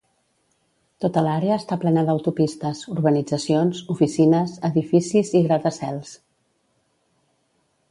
Tota l'àrea està plena d'autopistes, urbanitzacions, oficines, edificis i gratacels.